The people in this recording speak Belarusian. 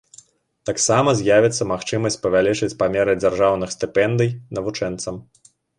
Таксама з'явіцца магчымасць павялічыць памеры дзяржаўных стыпендый навучэнцам.